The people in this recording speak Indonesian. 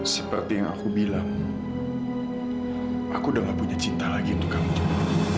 seperti yang aku bilang aku udah gak punya cinta lagi untuk kamu